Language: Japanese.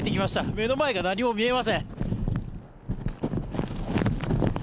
目の前が何も見えません。